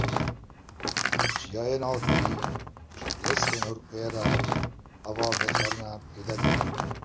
Çiyayên Alpî ji deştên Ewropayê re ava vexwarinê peyda dikin.